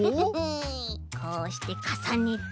こうしてかさねて。